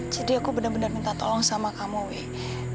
jadi aku bener bener minta tolong sama kamu wuih